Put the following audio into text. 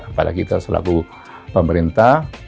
apalagi kita selaku pemerintah